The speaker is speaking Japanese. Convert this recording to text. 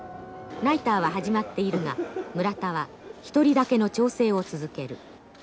ナイターは始まっているが村田は一人だけの調整を続ける。